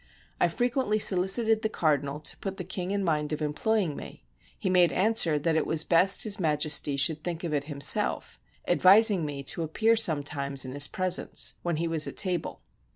I frequently solicited the cardinal to put the king in mind of employing me: he made answer that it was best His Majesty should think of it himself, advising me to appear sometimes in his presence, when he was at table.